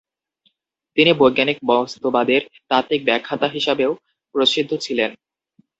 তিনি বৈজ্ঞানিক বস্তুবাদের তাত্ত্বিক ব্যাখ্যাতা হিসাবেও প্রসিদ্ধ ছিলেন।